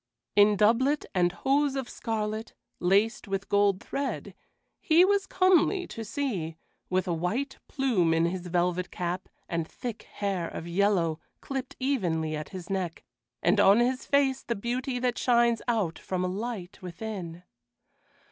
In doublet and hose of scarlet, laced with gold thread, he was comely to see, with a white plume in his velvet cap, and thick hair of yellow, clipped evenly at his neck, and on his face the beauty that shines out from a light within.